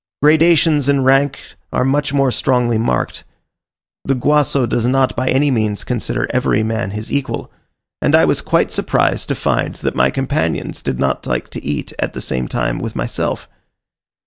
Gradations in rank are much more strongly marked: the Guaso does not by any means consider every man his equal; and I was quite surprised to find that my companions did not like to eat at the same time with myself.